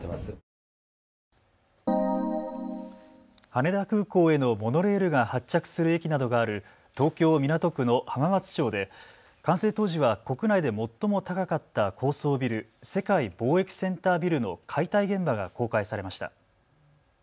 羽田空港へのモノレールが発着する駅などがある東京港区の浜松町で完成当時は国内で最も高かった高層ビル、世界貿易センタービルの解体現場が公開されました。